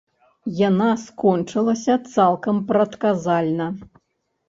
Яна скончылася цалкам прадказальна.